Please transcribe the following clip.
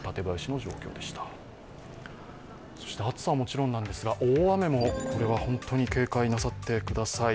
暑さはもちろんなんですが大雨も本当に警戒なさってください。